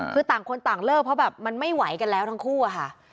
คือต่างคนต่างเลิกเพราะแบบมันไม่ไหวกันแล้วทั้งคู่อะค่ะ